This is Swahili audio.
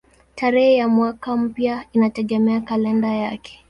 Tarehe ya mwaka mpya inategemea kalenda yake.